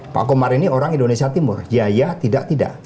pak komar ini orang indonesia timur biaya tidak tidak